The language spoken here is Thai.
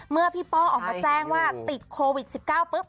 เมื่อพี่ป้อออกมาแจ้งว่าติดโควิด๑๙ปุ๊บ